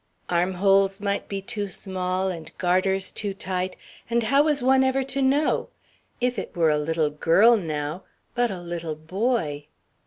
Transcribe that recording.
Armholes might be too small and garters too tight, and how was one ever to know? If it were a little girl now ... but a little boy....